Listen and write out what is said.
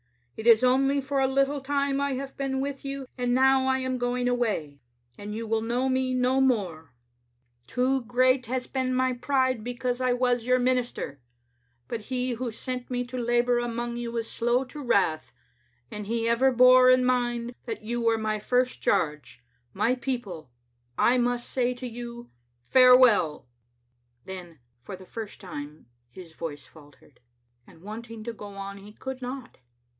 It is only for a little time I have been with you, and now I am going away, and you will know me no more. Too great has been Digitized by VjOOQ IC m tCbe Xittle Afnteter. my pride because I was your minister, but He who sent me to labor among you is slow to wrath ; and He ever bore in mind that you were my first charge. My peo ple, I must say to you, 'Farewell. *" Then, for the first time, his voice faltered, and want ing to go on he could not.